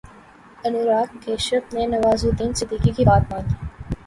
انوراگ کشیپ نے نوازالدین صدیقی کی بات مان لی